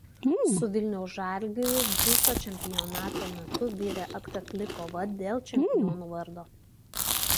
Su Vilniaus „Žalgiriu“ viso čempionato metu virė atkakli kova dėl čempionų vardo.